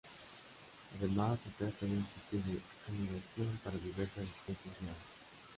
Además, se trata de un sitio de anidación para diversas especies de aves.